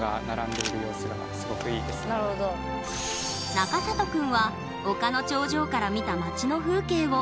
中里くんは丘の頂上から見た街の風景を。